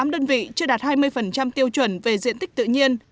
một mươi tám đơn vị chưa đạt hai mươi tiêu chuẩn về diện tích tự nhiên